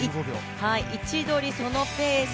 位置取り、そのペース